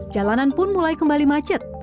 jalanan pun mulai kembali macet